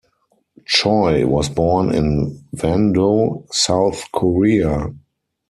Choi was born in Wando, South Korea.